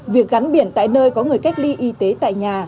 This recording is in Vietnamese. việc gắn biển tại nơi có người cách ly y tế tại nhà